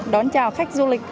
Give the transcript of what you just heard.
đón chào khách du lịch